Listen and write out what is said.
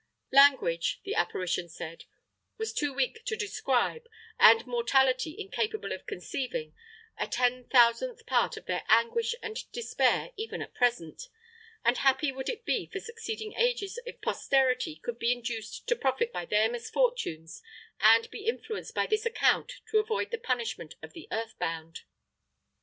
Language," the apparition said, "was too weak to describe and mortality incapable of conceiving a ten thousandth part of their anguish and despair even at present, and happy would it be for succeeding ages if Posterity could be induced to profit by their misfortunes and be influenced by this account to avoid the punishment of the Earthbound."